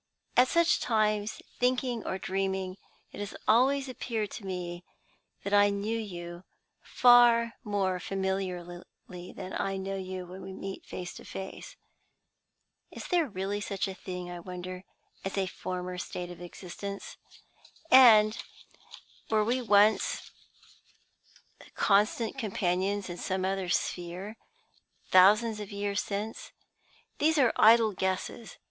At such times, thinking or dreaming, it has always appeared to me that I knew you far more familiarly than I know you when we meet face to face. Is there really such a thing, I wonder, as a former state of existence? And were we once constant companions in some other sphere, thousands of years since? These are idle guesses.